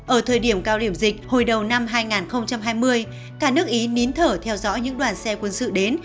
ở thời điểm cao điểm dịch hồi đầu năm hai nghìn hai mươi cả nước ý nín thở theo dõi những đoàn xe quân sự đến